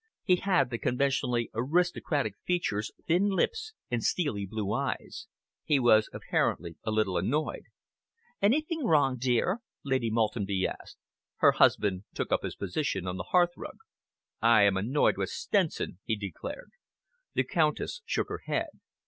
He had the conventionally aristocratic features, thin lips and steely blue eyes. He was apparently a little annoyed. "Anything wrong, dear?" Lady Maltenby asked. Her husband took up his position on the hearthrug. "I am annoyed with Stenson," he declared. The Countess shook her head.